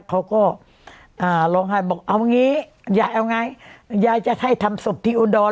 เขาก็อ่าร้องไห้บอกเอาอย่างงี้อยากเอาไงยายจะให้ทำศพที่อุดดอน